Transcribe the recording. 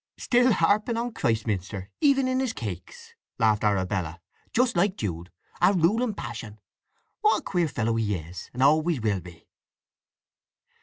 "Still harping on Christminster—even in his cakes!" laughed Arabella. "Just like Jude. A ruling passion. What a queer fellow he is, and always will be!"